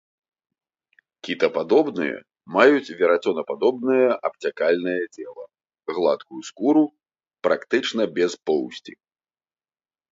Кітападобныя маюць верацёнападобнае абцякальнае цела, гладкую скуру, практычна без поўсці.